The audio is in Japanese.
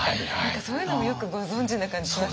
そういうのもよくご存じな感じしますよね。